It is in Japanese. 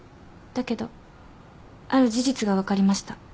だけどある事実が分かりました。